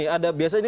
ada biasa ini